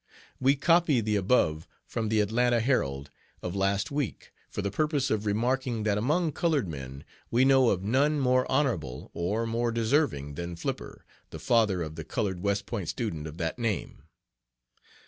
"We copy the above from the Atlanta Herald of last week, for the purpose of remarking that among colored men we know of none more honorable or more deserving than Flipper, the father of the colored West Point student of that name.